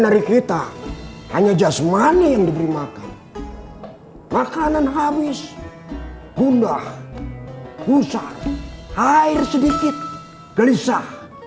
dari kita hanya jasmani yang diberi makan makanan habis gundah busak air sedikit gelisah